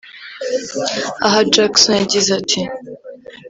Aha Jackson yagize ati